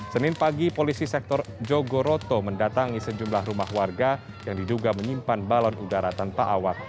senin pagi polisi sektor jogoroto mendatangi sejumlah rumah warga yang diduga menyimpan balon udara tanpa awak